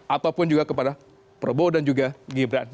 ataupun juga kepada prabowo dan juga gibran